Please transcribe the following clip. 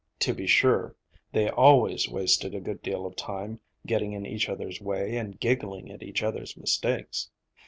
To be sure they always wasted a good deal of time getting in each other's way and giggling at each other's mistakes.